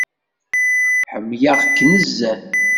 Ḥemmleɣ-k nezzeh.